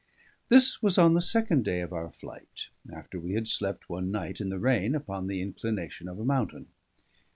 This was on the second day of our flight, after we had slept one night in the rain upon the inclination of a mountain.